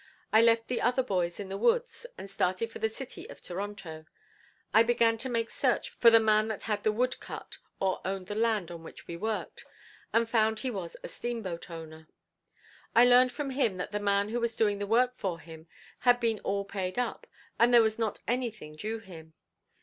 I left the other boys in the woods and started for the city of Toronto. I began to make search for the man that had the wood cut or owned the land on which we worked, and found he was a steamboat owner. I learned from him that the man who was doing the work for him had been all paid up, and there was not anything due him.